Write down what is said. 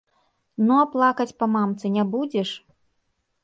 Ну, а плакаць па мамцы не будзеш?